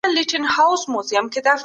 خپل ورېښتان په وخت سره ږمنځ کوئ.